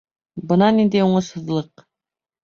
Бына ниндәй уңышһыҙлыҡ!